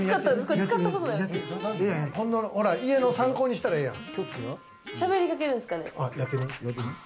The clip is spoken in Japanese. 家の参考にしたらええやん。